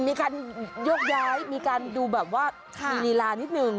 มีการโยกย้ายมีการดูแบบว่ามีลีลานิดนึง